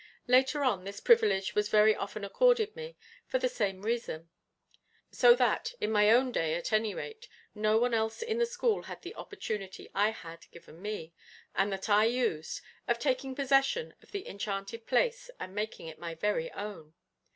Later on this privilege was very often accorded me, for the same reason; so that, in my own day at any rate, no one else in the school had the opportunity I had given me, and that I used, of taking possession of the enchanted place and making it my very own.